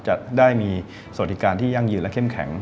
จะได้มีสวัสดิการที่ยั่งยืนและเข้มแข็ง